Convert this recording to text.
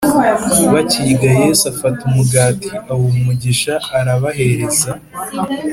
Bakirya Yesu afata umugati awuha umugisha arabahereza